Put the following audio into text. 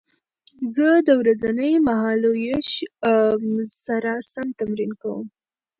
زه د ورځني مهالوېش سره سم تمرین کوم.